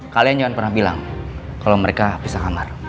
kalian jangan pernah bilang kalau mereka bisa kamar